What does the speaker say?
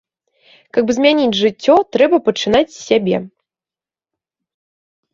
Каб змяніць жыццё, трэба пачынаць з сябе.